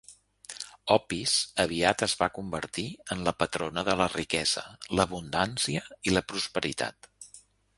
Opis aviat es va convertir en la patrona de la riquesa, l'abundància i la prosperitat.